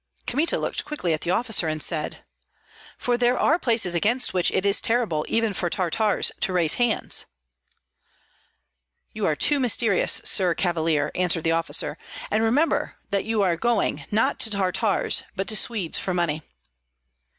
Kmita looked quickly at the officer, and said, "For there are places against which it is terrible, even for Tartars, to raise hands." "You are too mysterious. Sir Cavalier," answered the officer, "and remember that you are going, not to Tartars, but to Swedes for money."